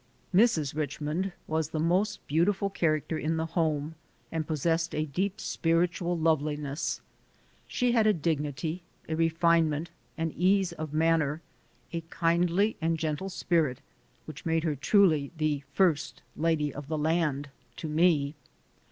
Mrs. Richmond was the most beautiful character in the home, and possessed a deep spiritual loveliness. She had a dignity, a refinement, an ease of manner, a kindly and gentle spirit which made her truly "the first lady of the land" to me.